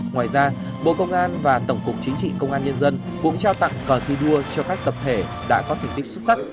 ngoài ra bộ công an và tổng cục chính trị công an nhân dân cũng trao tặng cờ thi đua cho các tập thể đã có thành tích xuất sắc